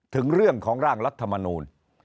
ถึงเรื่องของร่างรัฐมนูล